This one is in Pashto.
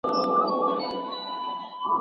موږ به بله میاشت خپله څېړنه پای ته ورسوو.